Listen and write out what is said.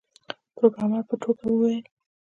پروګرامر په ټوکه وویل